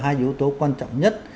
hai yếu tố quan trọng nhất